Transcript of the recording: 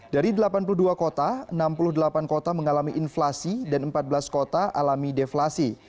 dari delapan puluh dua kota enam puluh delapan kota mengalami inflasi dan empat belas kota alami deflasi